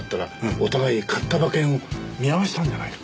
お互い買った馬券を見合わせたんじゃないか。